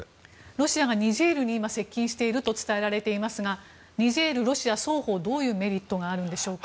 ロシアがニジェールに今、接近していると伝えられていますがニジェール、ロシア双方どういうメリットがあるんでしょうか。